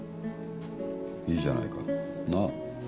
いいじゃないかなあ。